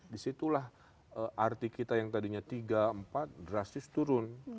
disitulah arti kita yang tadinya tiga empat drastis turun